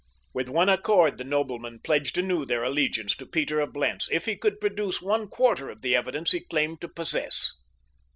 With one accord the noblemen pledged anew their allegiance to Peter of Blentz if he could produce one quarter of the evidence he claimed to possess.